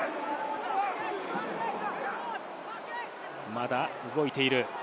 まだ動いている。